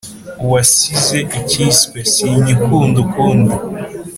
Uwasize ikiswe “sinkikunda ukundi”